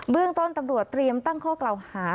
เรื่องต้นตำรวจเตรียมตั้งข้อกล่าวหา